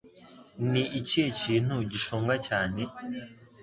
Ni ikihe kintu gishonga cyane?